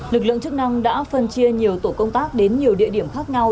lực lượng chức năng đã phân chia nhiều tổ công tác đến nhiều địa điểm khác nhau